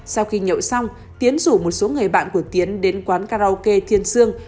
sau khi nhậu xong tiến rủ một số người bạn của tiến đến quán karaoke thiên sương